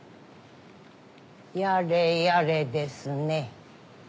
やれやれですね。